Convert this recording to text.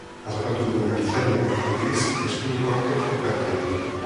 Harrapatu duen ertzainak, aldiz, eskuineko hankan kolpe handia hartu du.